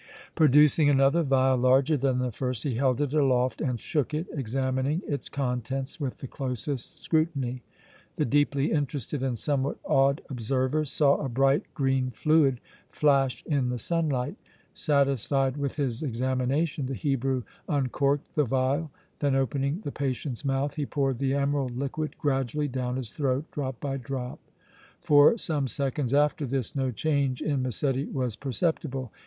Producing another vial, larger than the first, he held it aloft and shook it, examining its contents with the closest scrutiny. The deeply interested and somewhat awed observers saw a bright green fluid flash in the sunlight. Satisfied with his examination, the Hebrew uncorked the vial; then, opening the patient's mouth, he poured the emerald liquid gradually down his throat, drop by drop. For some seconds after this no change in Massetti was perceptible.